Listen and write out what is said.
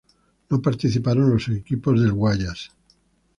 No participaron los equipos del Guayas.